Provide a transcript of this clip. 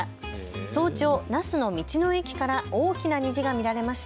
早朝、那須の道の駅から大きな虹が見られました。